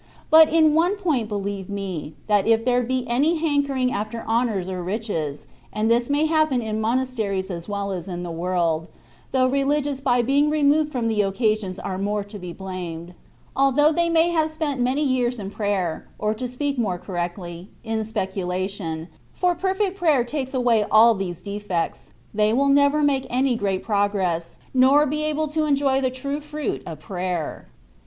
But in one point believe me, that if there be any hankering after honours or riches (and this may happen in monas teries as well as in the world, though Religious by being removed from the occasions are more to be blamed), although they may have spent many years in prayer, or to speak more correctly, in speculation (for perfect prayer takes away all these defects), they will never make any great progress, nor be able to enjoy the true fruit of prayer. THE WAY OP PERFECTION.